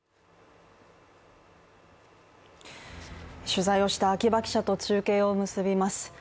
取材をした秋場記者と中継を結びます。